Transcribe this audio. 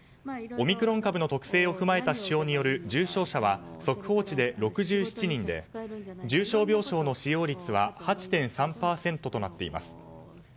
オミクロン株の特性を踏まえた指標による重症者は速報値で６７人で重症病床の使用率は８．３％となっています。